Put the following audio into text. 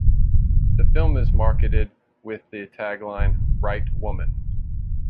The film is marketed with the tagline: Right woman.